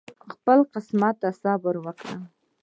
خپل قسمت صبر وکړه